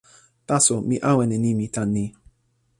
taso, mi awen e nimi tan ni.